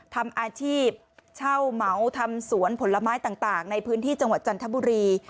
ทำอาชีพเช่าเหมาทำสวนผลไม้ต่างในพื้นที่จังหวัดจันทบุรี